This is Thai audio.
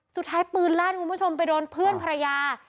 สุดท้ายปืนลั่นคุณผู้ชมไปโดนเพื่อนภรรยา